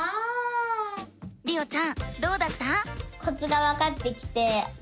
りおちゃんどうだった？